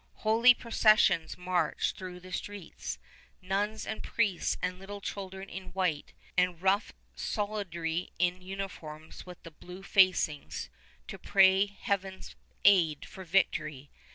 Holy processions march through the streets, nuns and priests and little children in white, and rough soldiery in the uniforms with the blue facings, to pray Heaven's aid for victory.